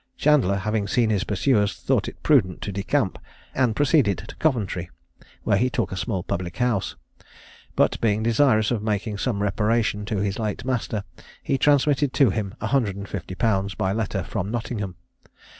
Chandler having seen his pursuers, thought it prudent to decamp, and proceeded to Coventry, where he took a small public house; but being desirous of making some reparation to his late master, he transmitted to him a hundred and fifty pounds by letter from Nottingham.